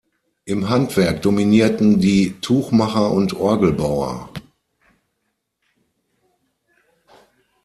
Im Handwerk dominierten die Tuchmacher und Orgelbauer.